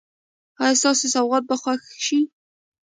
ایا ستاسو سوغات به خوښ شي؟